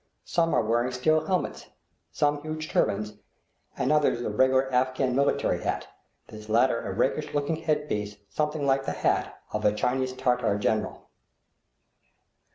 Some are wearing steel helmets, some huge turbans, and others the regular Afghan military hat, this latter a rakish looking head piece something like the hat of a Chinese Tartar general.